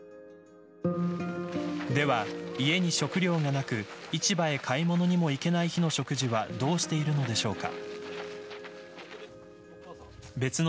では、家に食料がなく市場へ買い物にも行けない日の食事はどうしているのでしょうか。